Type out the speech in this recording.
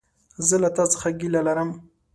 زه له تا څخه ګيله لرم!